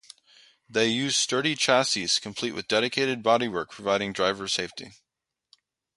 They use sturdy chassis complete with dedicated bodywork, providing driver safety.